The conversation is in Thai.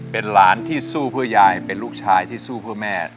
เป็นหลานที่สู้เพื่อยายเป็นลูกชายที่สู้เพื่อแม่